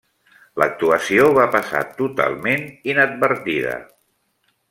L'actuació va passar totalment inadvertida.